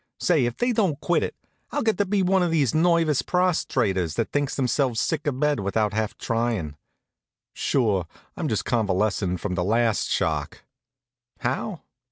Say, if they don't quit it, I'll get to be one of these nervous prostraters, that think themselves sick abed without half tryin'. Sure, I'm just convalescin' from the last shock. How?